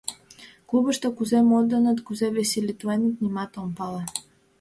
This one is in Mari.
Клубышто кузе модыныт, кузе веселитленыт — нимат ом пале.